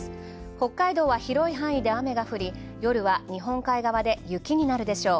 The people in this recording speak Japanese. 北海道は広い範囲で雨が降り、夜は日本海側で雪になるでしょう。